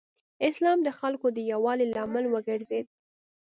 اسلام د خلکو د یووالي لامل وګرځېد.